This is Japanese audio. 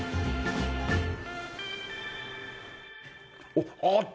おっ熱っ！